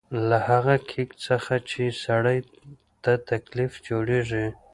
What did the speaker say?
له هغه کېک څخه چې سړي ته تکلیف جوړېږي.